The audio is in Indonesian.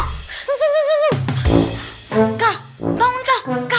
kau bangun kau